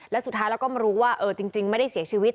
แล้วสุดท้ายแล้วก็มารู้ว่าจริงไม่ได้เสียชีวิต